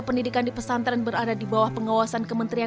kemudian dia menyuruh saya melepas pakaian